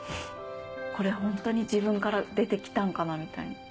これホントに自分から出て来たんかなみたいな。